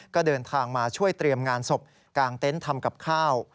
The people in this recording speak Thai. ก็เดินทางมาช่วยเตรียมงานศพกางเต็นต์ทำกับข้าว